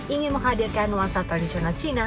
ingin menghadirkan nuansa tradisional cina